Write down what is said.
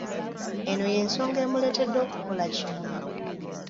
Eno y'ensonga emuleetedde okukola kino.